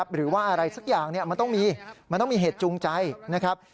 หรือว่าอะไรสักอย่างมันต้องมีเหตุจูงใจนะครับ